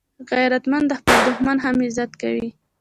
غیرتمند د خپل دښمن هم عزت کوي